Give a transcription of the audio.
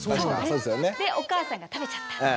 でお母さんが食べちゃった。